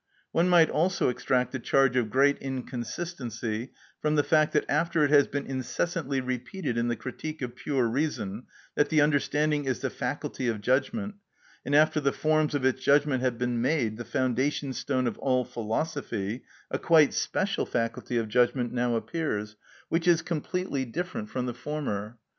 One might also extract a charge of great inconsistency from the fact that after it has been incessantly repeated in the "Critique of Pure Reason" that the understanding is the faculty of judgment, and after the forms of its judgment have been made the foundation stone of all philosophy, a quite special faculty of judgment now appears, which is completely different from the former.